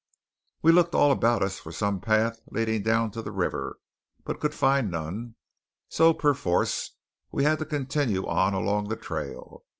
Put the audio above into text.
We looked all about us for some path leading down to the river, but could find none; so perforce we had to continue on along the trail.